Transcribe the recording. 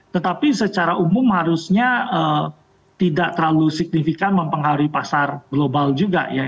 tetapi secara umum harusnya tidak terlalu signifikan mempengaruhi pasar global juga ya